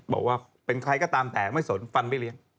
บอกว่าเป็นใครก็ตามแต่ไม่สนฟันไม่เลี้ยง